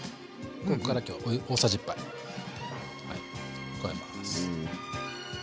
ここから今日大さじ１杯加えます。